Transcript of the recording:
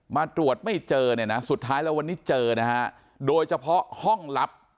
มาตรวจไม่เจอเนี่ยนะสุดท้ายแล้ววันนี้เจอนะฮะโดยเฉพาะห้องลับ